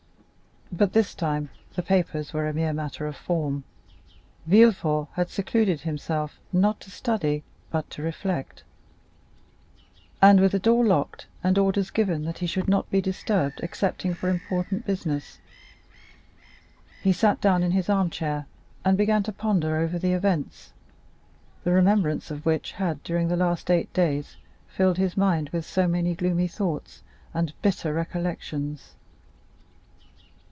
But this time the papers were a mere matter of form. Villefort had secluded himself, not to study, but to reflect; and with the door locked and orders given that he should not be disturbed excepting for important business, he sat down in his armchair and began to ponder over the events, the remembrance of which had during the last eight days filled his mind with so many gloomy thoughts and bitter recollections.